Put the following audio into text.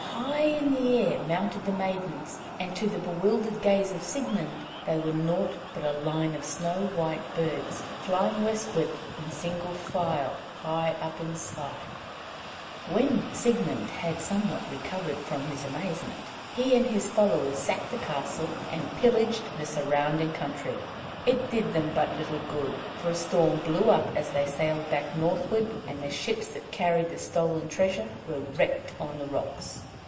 High in the air mounted the maidens, and to the bewildered gaze of Siegmund they were nought but a line of snow white birds flying westward in single file high up in the sky. [Illustration: "They instantly changed into snow white birds."] When Siegmund had somewhat recovered from his amazement, he and his followers sacked the castle, and pillaged the surrounding country; it did them but little good, for a storm blew up as they sailed back northward, and the ships that carried the stolen treasure were wrecked on the rocks.